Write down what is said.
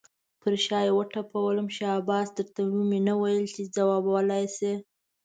پر شا یې وټپلم، شاباس در ته مې نه ویل چې ځوابولی یې شې.